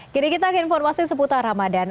kini kita ke informasi seputar ramadan